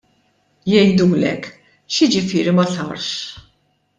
Jgħidulek: X'jiġifieri ma sarx?